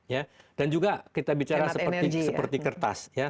ya dan juga kita bicara seperti kertas